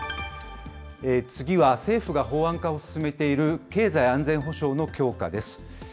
次は政府が法案化を進めている経済安全保障の強化です。